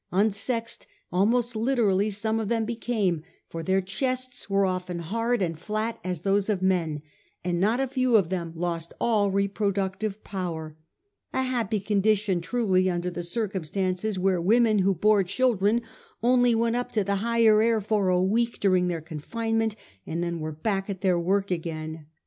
Unsexed almost literally some of them became ; for their chests were often hard and flat as those of men; and not a few of them lost all reproductive power : a happy condition truly under the circumstances, where women who bore children only went up to the higher air for a week during their confinement, and were then back at their work again.